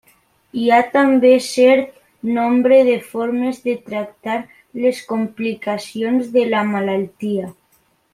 Hi ha també cert nombre de formes de tractar les complicacions de la malaltia.